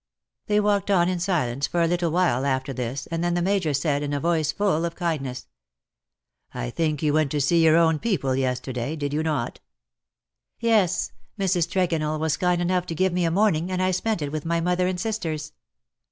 '' They walked on in silence for a little while after this, and then the Major said, in a voice full of kindness : "I think you went to see your own people yesterday, did yon not ?'''^ Yes ; Mrs. Tregonell was kind enough to give me a morning, and I spent it with my mother and sisters.